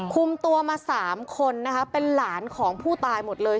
คุมตัวมา๓คนนะคะเป็นหลานของผู้ตายหมดเลย